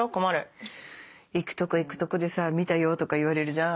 行くとこ行くとこでさ「見たよ」とか言われるじゃん。